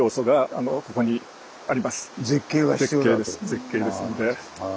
絶景ですので。